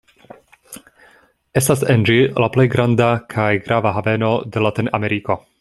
Estas en ĝi la plej granda kaj grava haveno de Latinameriko.